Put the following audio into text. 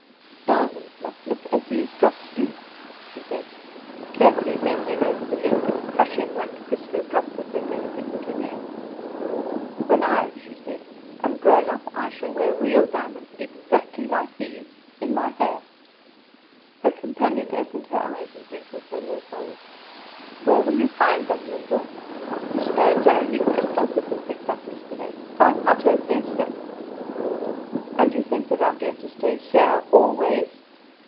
"Diamonds must look as these drops do," she said, carefully bending over the leaf, and crushing one crystal drop with her delicate little nail. "When I," she said, "am grown up, I shall wear real diamonds, exactly like these in my hair." Her companion opened her eyes and wrinkled her low forehead. "Where will you find them, Lyndall? The stones are only crystals that we picked up yesterday. Old Otto says so." "And you think that I am going to stay here always?"